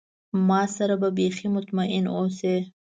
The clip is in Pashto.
ما سره به بیخي مطمئن اوسی.